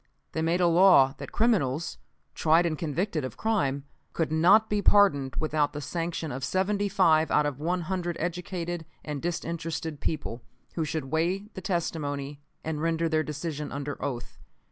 They made a law that criminals, tried and convicted of crime, could not be pardoned without the sanction of seventy five out of one hundred educated and disinterested people, who should weigh the testimony and render their decision under oath.